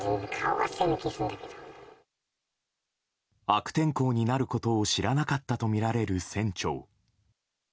悪天候になることを知らなかったとみられる船長。